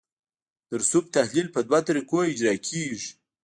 د رسوب تحلیل په دوه طریقو اجرا کیږي